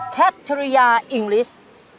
๑คัตริยาอิงกลิสต์